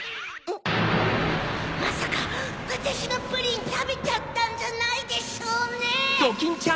まさかわたしのプリンたべちゃったんじゃないでしょうね